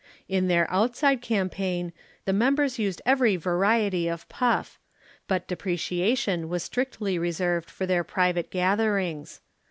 In their outside campaign, the members used every variety of puff, but depreciation was strictly reserved for their private gatherings.